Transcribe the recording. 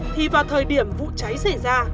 thì vào thời điểm vụ cháy xảy ra